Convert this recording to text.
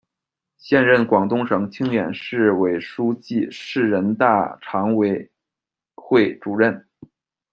现任广东省清远市委书记、市人大常委会主任。